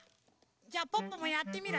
じゃあポッポもやってみる？